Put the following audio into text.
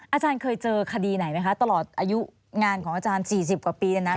อาจารย์เคยเจอคดีไหนไหมคะตลอดอายุงานของอาจารย์๔๐กว่าปี